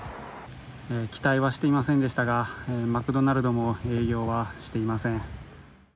期待はしていませんでしたがマクドナルドも営業はしていません。